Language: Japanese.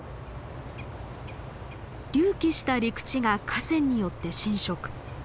隆起した陸地が河川によって浸食。